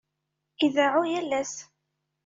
Ideɛɛu yal ass.